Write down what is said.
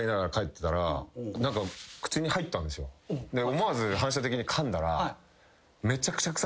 思わず反射的にかんだら。